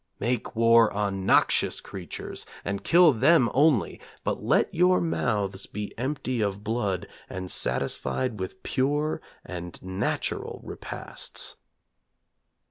Make war on noxious creatures, and kill them only, But let your mouths be empty of blood, and satisfied with pure and natural repasts.